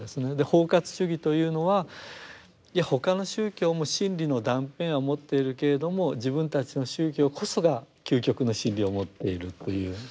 包括主義というのはいや他の宗教も真理の断片は持っているけれども自分たちの宗教こそが究極の真理を持っているという。